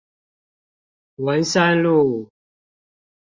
文山路